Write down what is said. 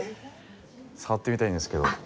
触ってみたいんですけど。